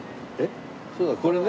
そうだこれね！